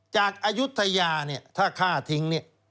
จากอายุทยาถ้าฆ่าทิ้ง